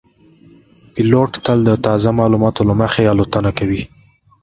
پیلوټ تل د تازه معلوماتو له مخې الوتنه کوي.